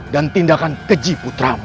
dan tindakan keji putramu